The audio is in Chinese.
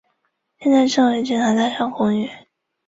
现在称为警察大厦公寓。